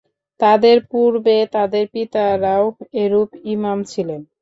তাদের পূর্বে তাদের পিতারাও এরূপ ইমাম ছিলেন।